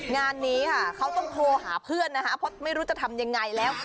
งานนี้ค่ะเขาต้องโทรหาเพื่อนนะคะเพราะไม่รู้จะทำยังไงแล้ว